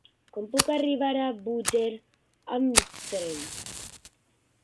Com puc arribar a Búger amb tren?